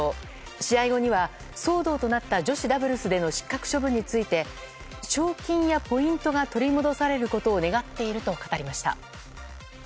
試合後には騒動となった女子ダブルスでの失格処分について賞金やポイントが取り戻されることを願っていると語りました。